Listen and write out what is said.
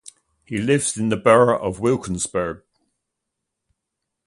He lived in the borough of Wilkinsburg.